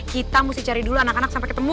kita mesti cari dulu anak anak sampai ketemu